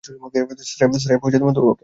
স্রেফ ধরো ওকে!